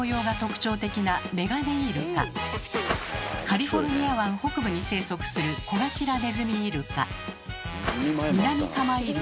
カリフォルニア湾北部に生息するコガシラネズミイルカ。